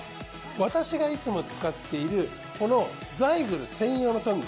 私がいつも使っているこのザイグル専用のトング。